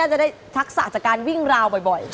หมดเวลา